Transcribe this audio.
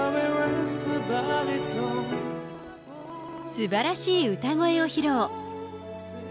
すばらしい歌声を披露。